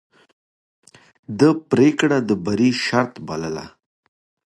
ده پرېکړه د بری شرط بلله.